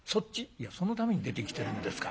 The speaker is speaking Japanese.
「いやそのために出てきてるんですから」。